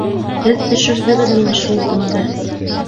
Һеҙ төшөрҙөгөҙ мине шул көнгә!